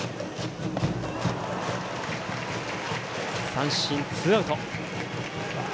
三振、ツーアウト。